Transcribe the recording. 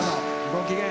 ご機嫌。